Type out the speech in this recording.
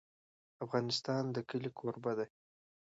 افغانستان د کلي کوربه دی.